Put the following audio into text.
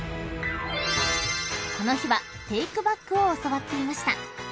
［この日はテイクバックを教わっていました］